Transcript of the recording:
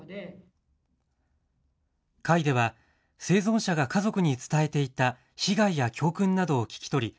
会では生存者が家族に伝えていた被害や教訓などを聞き取り